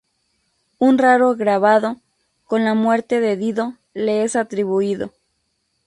Un raro grabado, con la "Muerte de Dido", le es atribuido.